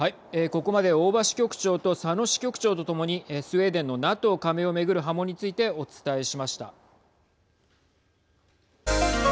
ここまで大庭支局長と佐野支局長と共にスウェーデンのＮＡＴＯ加盟を巡る波紋についてお伝えしました。